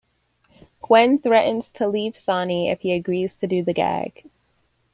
Gwen threatens to leave Sonny if he agrees to do the gag.